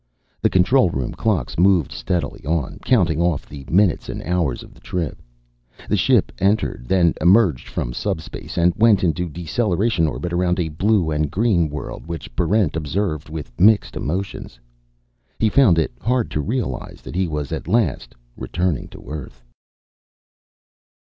The control room clocks moved steadily on, counting off the minutes and hours of the trip. The ship entered, then emerged from subspace and went into deceleration orbit around a blue and green world which Barrent observed with mixed emotions. He found it hard to realize that he was returning at last to Earth.